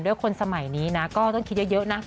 คนสมัยนี้นะก็ต้องคิดเยอะนะ